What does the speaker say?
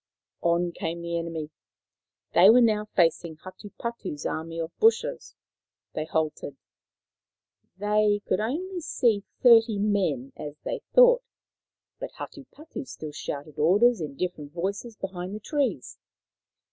On came the enemy. They were now facing Hatupatu's army of bushes. They halted. They could see only thirty men, as they thought ; but Hatupatu still shouted orders in different voices behind the trees.